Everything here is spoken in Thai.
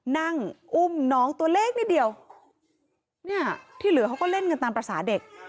นั่งอุ้มน้องตัวเล็กนิดเดียวเนี่ยที่เหลือเขาก็เล่นกันตามภาษาเด็ก